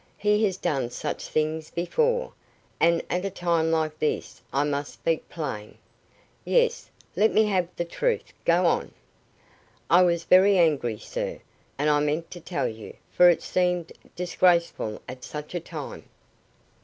He has done such things before, and at a time like this I must speak plain." "Yes. Let me have the truth. Go on." "I was very angry, sir, and I meant to tell you, for it seemed disgraceful at such a time."